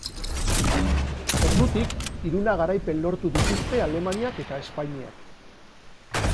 Ordutik hiruna garaipen lortu dituzte Alemaniak eta Espainiak.